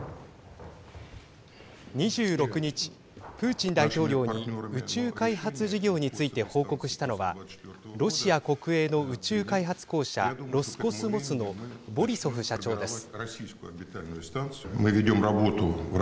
２６日、プーチン大統領に宇宙開発事業について報告したのはロシア国営の宇宙開発公社ロスコスモスのボリソフ社長です。